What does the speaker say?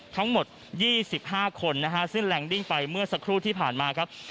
ทั้งหมด๒๕คนนะฮะสิ้นแรงดิ้งไปเมื่อสักครู่ที่ผ่านมาครับ